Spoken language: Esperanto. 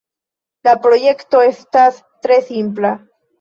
La projekto estas tre simpla.